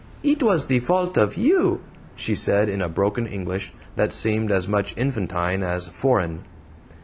"It was the fault of you," she said, in a broken English that seemed as much infantine as foreign.